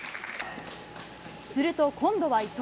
すると今度は伊藤。